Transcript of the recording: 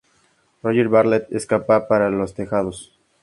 Roger Bartlett escapa por los tejados.